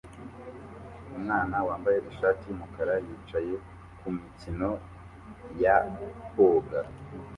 Umwana wambaye ishati yumukara yicaye kumikino ya koga